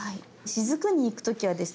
しずくに行く時はですね